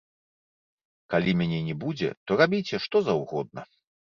Калі мяне не будзе, то рабіце, што заўгодна.